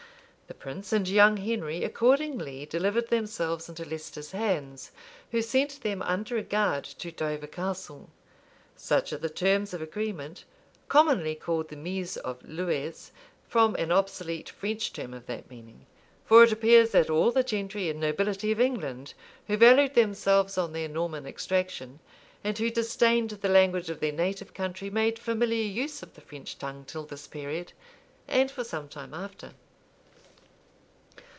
The prince and young Henry accordingly delivered themselves into Leicester's hands, who sent them under a guard to Dover Castle. Such are the terms of agreement, commonly called the Mise of Lewes, from an obsolete French term of that meaning; for it appears that all the gentry and nobility of England, who valued themselves on their Norman extraction, and who disdained the language of their native country, made familiar use of the French tongue till this period, and for some time after.